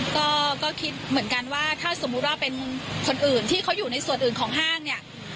ก็คิดเหมือนกันว่าถ้าสมมุติว่าเป็นคนอื่นที่เขาอยู่ในส่วนอื่นของห้างเนี่ย